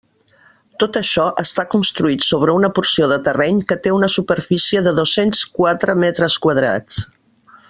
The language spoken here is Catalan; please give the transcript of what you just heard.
Tot això està construït sobre una porció de terreny que té una superfície de dos-cents quatre metres quadrats.